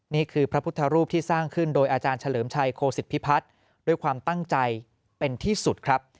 นี่คือพระพุทธรูปที่สร้างขึ้นโดยอาจารย์เฉลิมชัยโคสิตพิพัฒน์ด้วยความตั้งใจเป็นที่สุดครับ